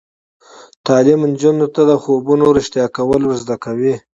تعلیم نجونو ته د خوبونو رښتیا کول ور زده کوي.